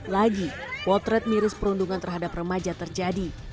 lagi potret miris perundungan terhadap remaja terjadi